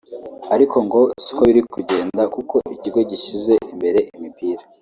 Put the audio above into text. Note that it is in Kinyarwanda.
ariko ngo si uko biri kugenda kuko ikigo gishyize imbere imipira